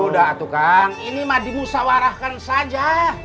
sudah tuh kang ini mah dimusawarahkan saja